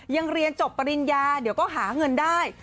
เรียนจบปริญญาเดี๋ยวก็หาเงินได้